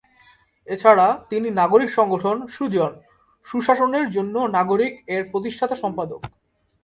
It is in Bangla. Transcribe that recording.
এছাড়া তিনি নাগরিক সংগঠন ‘সুজন-সুশাসনের জন্য নাগরিক’-এর প্রতিষ্ঠাতা সম্পাদক।